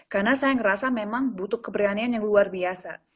karena saya merasa memang butuh keberanian yang luar biasa